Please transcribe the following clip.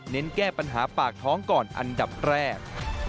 แก้ปัญหาปากท้องก่อนอันดับแรก